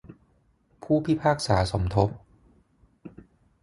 ผู้พิพากษาสมทบ